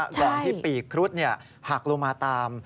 ก่อนที่ปีกครุฑหักลงมาตาม